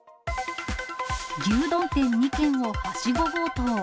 牛丼店２軒をはしご強盗。